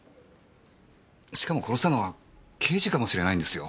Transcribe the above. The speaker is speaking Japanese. しかも殺したのは刑事かもしれないんですよ。